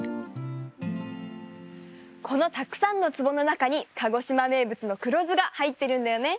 このたくさんの壺のなかに鹿児島めいぶつの黒酢がはいってるんだよね。